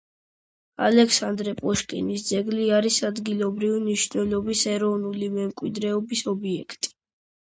ალექსანდრე პუშკინის ძეგლი არის ადგილობრივი მნიშვნელობის ეროვნული მემკვიდრეობის ობიექტი.